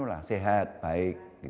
ya sehat baik